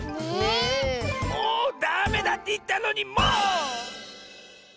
もうダメだっていったのにもう！